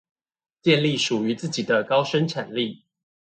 建立屬於自己的高生產力